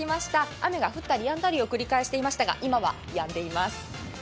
雨が降ったりやんだりを繰り返していましたが、今はやんでいます。